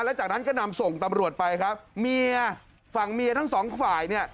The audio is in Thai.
แล้วจากนั้นก็นำส่งตำรวจไปครับเมียฝั่งเมียทั้งสองฝ่ายเนี่ย